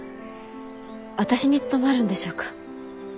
私に務まるんでしょうか？